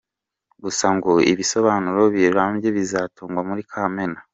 Gusa ngo ibisobanuro birambye bizatangwa muri Kamena.